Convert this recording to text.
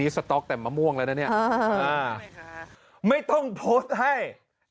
สต๊อกแต่มะม่วงแล้วนะเนี่ย